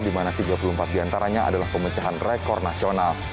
di mana tiga puluh empat diantaranya adalah pemecahan rekor nasional